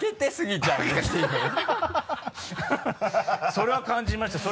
それは感じました。